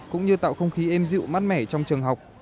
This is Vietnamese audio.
cũng như tạo không khí êm dịu mát mẻ trong trường học